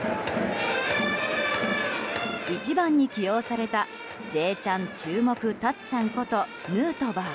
１番に起用された「Ｊチャンネル」注目たっちゃんこと、ヌートバー。